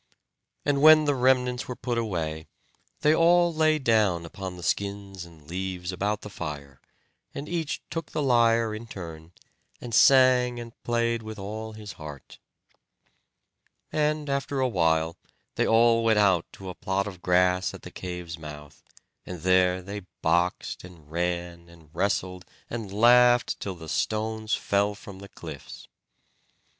And when the remnants were put away, they all lay down upon the skins and leaves about the fire, and each took the lyre in turn, and sang and played with all his heart. And after a while they all went out to a plot of grass at the cave's mouth, and there they boxed, and ran, and wrestled, and laughed till the stones fell from the cliffs.